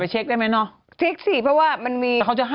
ชักไปเช็คได้ไม่เนาะ